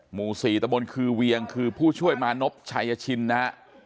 หมู่๔ตะบนคือเวียงคือผู้ช่วยมานพชัยชินนะฮะ